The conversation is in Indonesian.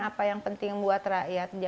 apa yang penting buat rakyat